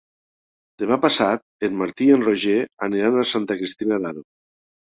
Demà passat en Martí i en Roger aniran a Santa Cristina d'Aro.